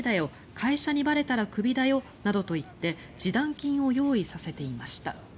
会社にばれたらクビだよなどと言って示談金を用意させていました。